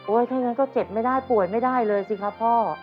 ถ้างั้นก็เจ็บไม่ได้ป่วยไม่ได้เลยสิครับพ่อ